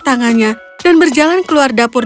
tangannya dan berjalan keluar dapur